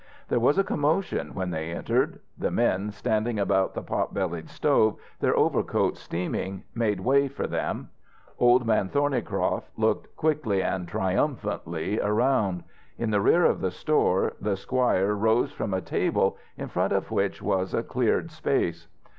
There was a commotion when they entered. The men, standing about the pot bellied stove, their overcoats steaming, made way for them. Old Man Thornycroft looked quickly and triumphantly around. In the rear of the store the squire rose from a table, in front of which was a cleared space.